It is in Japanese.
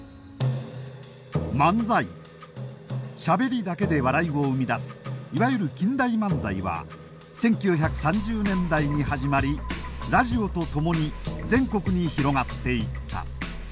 しゃべりだけで笑いを生み出すいわゆる近代漫才は１９３０年代に始まりラジオと共に全国に広がっていった。